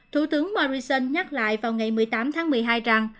thủ tướng morrison nhắc lại vào ngày một mươi tám tháng một mươi hai rằng